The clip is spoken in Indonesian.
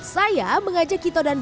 saya mengajak kito dan